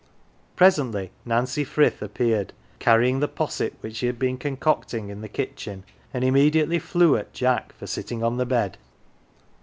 Presently Nancy Frith appeared, carrying the posset which she had been concocting in the kitchen, and immediately flew at Jack for sitting on the bed.